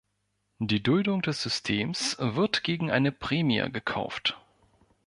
Die Duldung des Systems wird gegen eine Prämie gekauft.